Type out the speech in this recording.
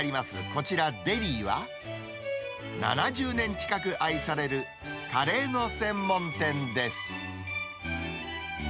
こちら、デリーは、７０年近く愛されるカレーの専門店です。